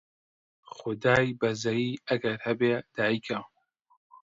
خودای بەزەیی ئەگەر هەبێ دایکە